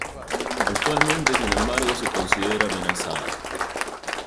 Actualmente, sin embargo, se considera amenazada.